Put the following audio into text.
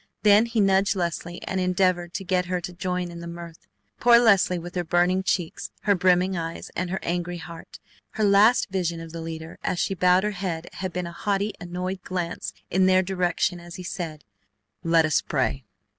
Then he nudged Leslie and endeavored to get her to join in the mirth. Poor Leslie with her burning cheeks, her brimming eyes, and her angry heart! Her last vision of the leader as she bowed her head had been a haughty, annoyed glance in their direction as he said: "Let us pray."